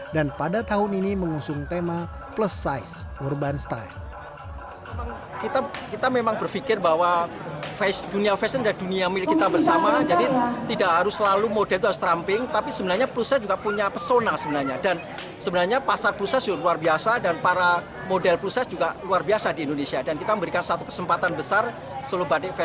dan pada tahun ini mengusung tema plus size urban style